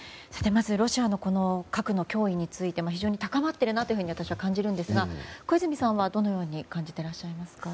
まず、ロシアのこの核の脅威について非常に高まっているなと私は感じるんですが小泉さんはどのように感じていらっしゃいますか。